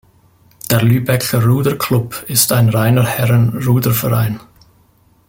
Der Lübecker Ruder-Klub ist ein reiner Herren-Ruderverein.